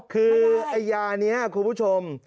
คือไอ้ยานี้คุณผู้ชม